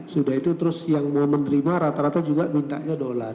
sudah itu terus yang mau menerima rata rata juga mintanya dolar